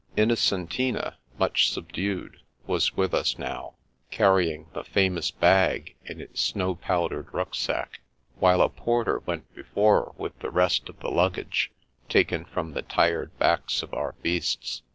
Innocentina, much sub dued, was with us now, carrying the famous bag in its snow powdered riicksack, while a porter went be fore with the rest of the luggage, taken from the tired backs of our beasts.